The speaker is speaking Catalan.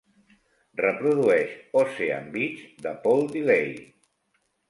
Reprodueix Ocean Beach de Paul Delay.